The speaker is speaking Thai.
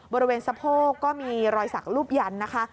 บริเวณสะโพกก็มีรอยสักรูปยันนะคะ